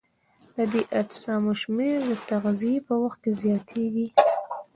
د دې اجسامو شمېر د تغذیې په وخت کې زیاتیږي.